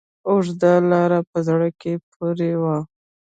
اوږده لاره په زړه پورې وه.